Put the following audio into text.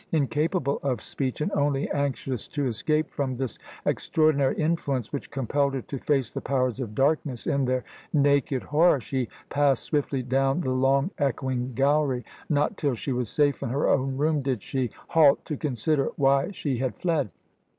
Incapable of speech, and only anxious to escape from this extraordinary influence, which compelled her to face the powers of darkness in their naked horror, she passed swiftly down the long, echoing gallery. Not till she was safe in her own room did she halt, to consider why she had fled.